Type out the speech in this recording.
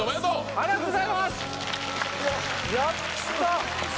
ありがとうございますやった！